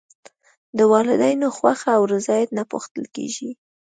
د والدینو خوښه او رضایت نه پوښتل کېږي.